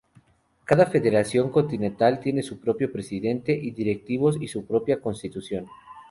Cada federación continental tiene su propio presidente y directivos y su propia constitución.